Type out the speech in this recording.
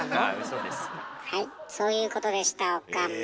はいそういうことでした岡村。